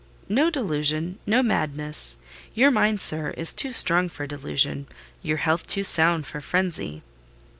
"No delusion—no madness: your mind, sir, is too strong for delusion, your health too sound for frenzy."